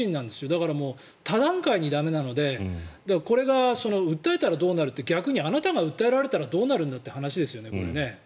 だから多段階に駄目なのでこれが、訴えたらどうなるって逆にあなたが訴えられたらどうなるんだという話ですよね。